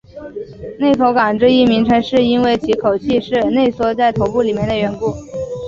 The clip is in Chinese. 内口纲这一名称是因为其口器是内缩在头部里面的缘故。